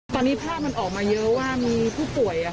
ตอนนี้ภาพมันออกมาเยอะว่ามีผู้ป่วย